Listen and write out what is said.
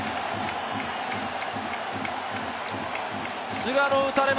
菅野、打たれた！